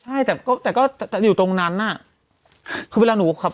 ใช่แต่ก็อยู่ตรงนั้นน่ะคือเวลาหนูขับ